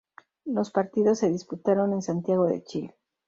Los partidos se disputaron en Santiago de Chile.